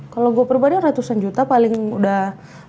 kalau gue perbanding ratusan juta paling udah